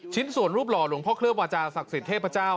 ชิ้นศูนย์รูปหล่อหลวงพ่อเคลือบวาจาสิทธิ์เทพเจ้า